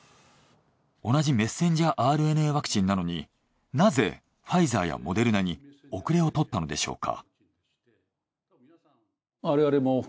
同じｍＲＮＡワクチンなのになぜファイザーやモデルナに遅れをとったのでしょうか？